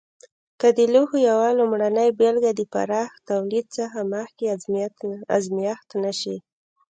که د لوښو یوه لومړنۍ بېلګه د پراخ تولید څخه مخکې ازمېښت نه شي.